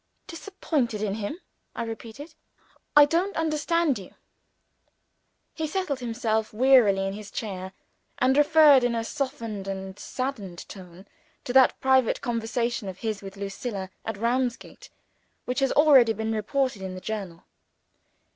"Disappointed in him!" I repeated. "I don't understand you." He settled himself wearily in his chair, and referred, in a softened and saddened tone, to that private conversation of his with Lucilla, at Ramsgate, which has already been reported in the Journal.